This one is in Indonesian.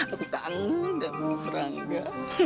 aku kangen udah mau mas rangga